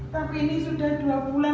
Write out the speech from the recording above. tapi ini sudah dua bulan